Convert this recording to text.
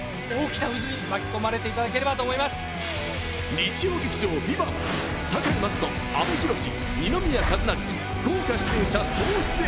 日曜劇場「ＶＩＶＡＮＴ」、堺雅人、阿部寛、二宮和也、豪華出演者総出演！